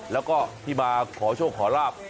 แล้วก็ที่มาขอโชคขอลาบ